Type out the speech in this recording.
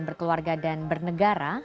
berkeluarga dan bernegara